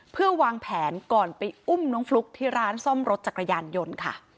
เพื่อวางแผนก่อนไปอุ้มน้องฟลุ๊กที่ร้านซ่อมรถจักรยานยนต์ค่ะ